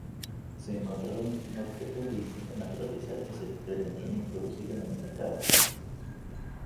Se encontraron veintiún objetos de distinta naturaleza, que se pretendieron introducir en el mercado.